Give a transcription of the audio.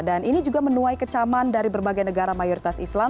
dan ini juga menuai kecaman dari berbagai negara mayoritas islam